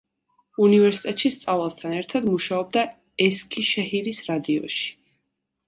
უნივერსიტეტში სწავლასთან ერთად, მუშაობდა ესქიშეჰირის რადიოში.